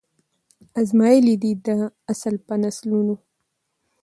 آزمیېلی دی دا اصل په نسلونو